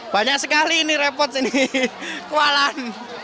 banyak sekali ini repot ini kualan